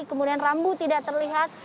kemudian rambut tidak terlihat